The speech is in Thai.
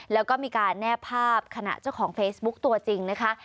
แล้วก็มีการแนบภาพขณะเจ้าของเฟซบุ๊คตัวจริงนะคะ